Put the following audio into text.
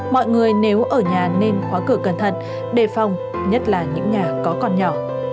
mọi người nếu ở nhà nên khóa cửa cẩn thận đề phòng nhất là những nhà có con nhỏ